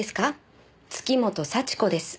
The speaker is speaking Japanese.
月本幸子です。